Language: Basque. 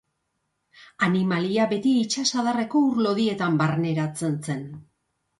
Animaliak beti itsasadarreko ur lodietan barneratzen zen.